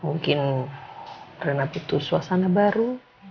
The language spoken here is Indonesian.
mungkin rena butuh suasana baru